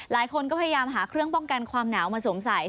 หลายคนก็พยายามหาเครื่องป้องกันความหนาวมาสวมใส่